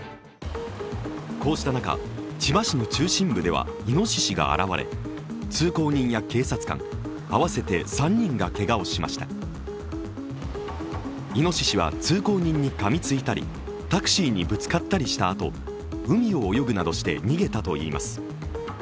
こうした中、千葉市の中心部ではいのししが現れ、通行人や警察官、合わせて３人がけがをしましたいのししは通行人にかみついたりタクシーにぶつかったりしたあと海を泳ぐなどして逃げたといいます。